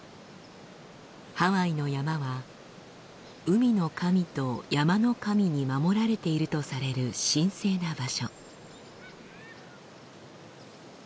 ハワイの山は海の神と山の神に守られているとされる神聖な場所。